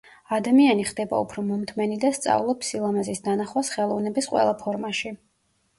ადამიანი ხდება უფრო მომთმენი და სწავლობს სილამაზის დანახვას ხელოვნების ყველა ფორმაში.